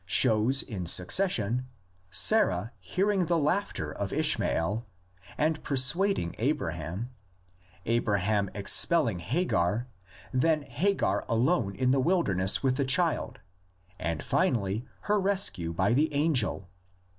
shows in succession: Sarah hearing the laughter of Ishmael, and persuading Abraham; Abraham expelling Hagar; then Hagar alone in the wilder ness with the child, and finally her rescue by the angel.